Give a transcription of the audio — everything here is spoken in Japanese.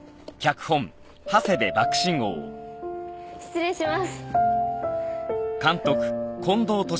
失礼します。